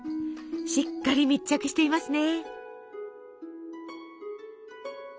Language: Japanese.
しっかり密着していますね。